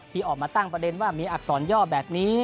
ที่ออกมาตั้งประเด็นว่ามีอักษรย่อแบบนี้